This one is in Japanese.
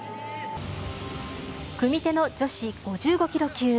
組手の女子５５ｋｇ級。